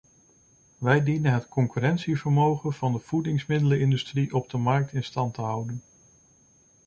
Wij dienen het concurrentievermogen van de voedingsmiddelenindustrie op de markt in stand te houden.